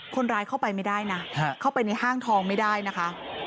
คนร้ายเข้าไปไม่ได้นะเข้าไปในห้างทองไม่ได้นะคะ